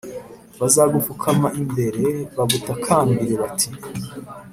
bazagupfukama imbere, bagutakambire bati